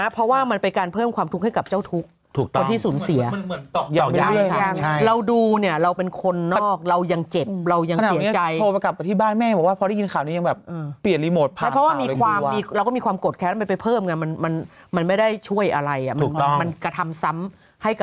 เพราะว่ามันไปการเพิ่มความทุกข์ให้กับเจ้าทุกข์